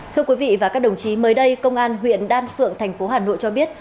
thưa quý vị và các đồng chí mới đây công an huyện đan phượng tp hà nội cho biết